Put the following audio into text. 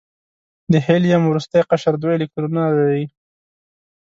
د هیلیم وروستی قشر دوه الکترونونه لري.